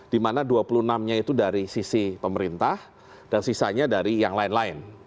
dimana dua puluh enam nya itu dari sisi pemerintah dan sisanya dari yang lain lain